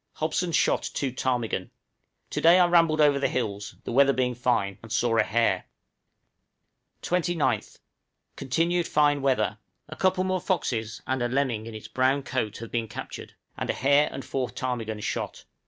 Hobson shot three ptarmigan. To day I rambled over the hills, the weather being fine, and saw a hare. 29th. Continued fine weather. A couple more foxes and a lemming in its brown coat have been captured, and a hare and four ptarmigan shot.